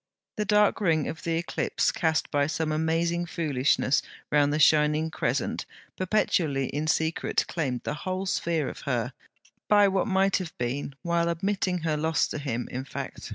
The dark ring of the eclipse cast by some amazing foolishness round the shining crescent perpetually in secret claimed the whole sphere of her, by what might have been, while admitting her lost to him in fact.